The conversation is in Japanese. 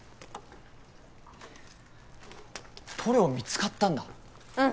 塗料見つかったんだうん